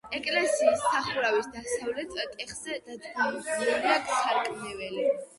ეკლესიის სახურავის დასავლეთ კეხზე დადგმულია სამრეკლო.